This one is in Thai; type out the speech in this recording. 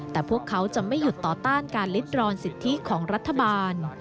แต่พวกเขาจะไม่หยุดต่อต้านการลิดรอนสิทธิของรัฐบาล